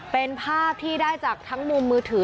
เป็นภาพที่ได้จากทั้งมุมมือถือ